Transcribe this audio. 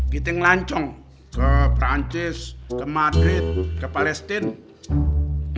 kita ngelancong ke prancis ke madrid ke palestina